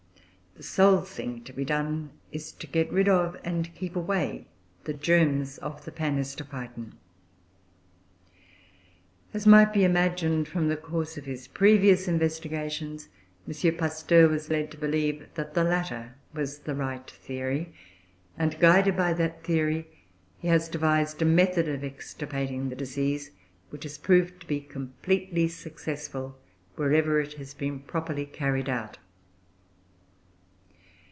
The sole thing to be done is to get rid of and keep away the germs of the Panhistophyton. As might be imagined, from the course of his previous investigations, M. Pasteur was led to believe that the latter was the right theory; and, guided by that theory, he has devised a method of extirpating the disease, which has proved to be completely successful wherever it has been properly carried out.